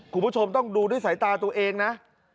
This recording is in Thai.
คุณผู้ชมต้องดูด้วยสายตาตัวเองนะ